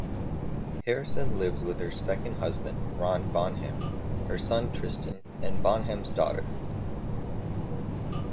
Harrison lives with her second husband Ron Bonham, her son Tristan, and Bonham's daughter.